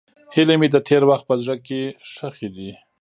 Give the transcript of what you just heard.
هیلې مې د تېر وخت په زړه کې ښخې دي.